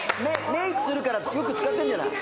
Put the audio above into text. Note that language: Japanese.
メークするからよく使ってんじゃない？